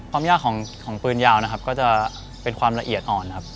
ความยากของปืนยาวก็จะเป็นความละเอียดอ่อน